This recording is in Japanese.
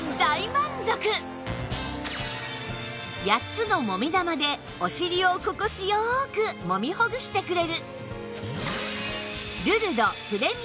８つのもみ玉でお尻を心地よくもみほぐしてくれる